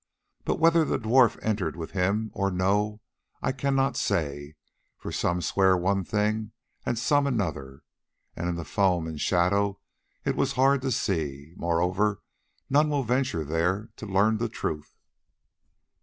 But whether the dwarf entered with him, or no, I cannot say, for some swear one thing and some another, and in the foam and shadow it was hard to see; moreover, none will venture there to learn the truth."